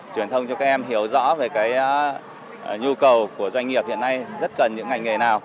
truyền thông cho các em hiểu rõ về nhu cầu của doanh nghiệp hiện nay rất cần những ngành nghề nào